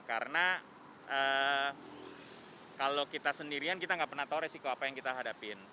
karena kalau kita sendirian kita nggak pernah tahu resiko apa yang kita hadapin